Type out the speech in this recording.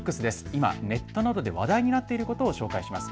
今、ネットなどで話題になっていることを紹介します。